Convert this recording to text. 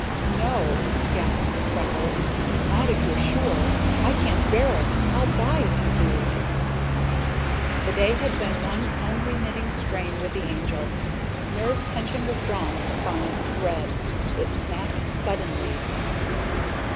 "No!" gasped Freckles. "Not if you're sure! I can't bear it! I'll die if you do!" The day had been one unremitting strain with the Angel. Nerve tension was drawn to the finest thread. It snapped suddenly.